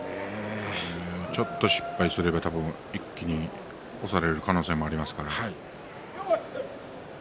ちょっと立ち合い失敗すれば一気に押される可能性もあります。